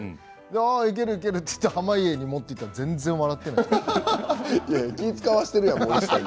濱家にいけるいけると思って濱家に持っていったら全然笑わない。